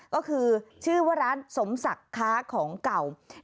ก็คือชื่อว่าร้านสมศักดิ์ค้าของเก่า